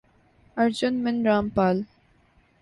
ارجن من را مپال